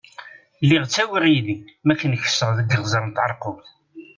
Lliɣ ttawiɣ yid-i n makken kesseɣ deg Iɣzeṛ Tɛerqubt.